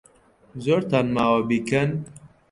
زۆرتان ماوە بیکەن.